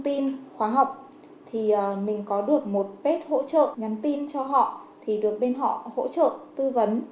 tin khóa học thì mình có được một bếp hỗ trợ nhắn tin cho họ thì được bên họ hỗ trợ tư vấn